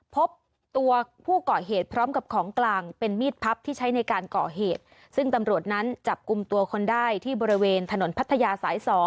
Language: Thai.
พบตัวผู้เกาะเหตุพร้อมกับของกลางเป็นมีดพับที่ใช้ในการก่อเหตุซึ่งตำรวจนั้นจับกลุ่มตัวคนได้ที่บริเวณถนนพัทยาสาย๒